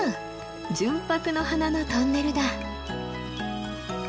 純白の花のトンネルだ！